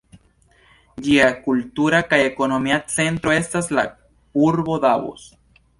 Ĝia kultura kaj ekonomia centro estas la urbo Davos.